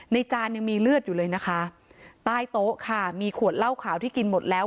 จานยังมีเลือดอยู่เลยนะคะใต้โต๊ะค่ะมีขวดเหล้าขาวที่กินหมดแล้ว